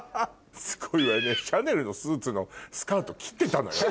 すごいわねシャネルのスーツのスカート切ってたのよ。